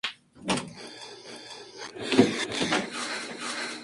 Estuvo preso en el castillo San Felipe de Puerto Cabello.